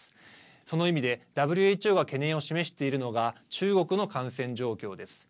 その意味でＷＨＯが懸念を示しているのが中国の感染状況です。